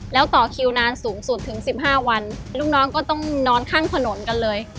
แล้วต่อคิวนานสูงสุดถึง๑๕วันลูกน้องก็ต้องนอนข้างถนนกันเลย